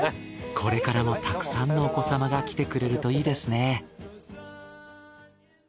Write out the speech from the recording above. これからもたくさんのお子様が来てくれるといいですね。